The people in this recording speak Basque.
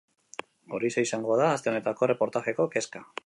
Horixe izango da aste honetako erreportajeko kezka.